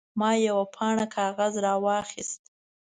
ما یوه پاڼه کاغذ راواخیست.